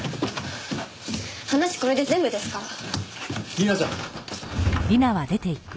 話これで全部ですから。